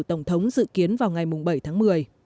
tổng thống dự kiến vào ngày bảy tháng một mươi